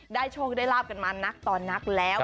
โชคได้ลาบกันมานักต่อนักแล้ว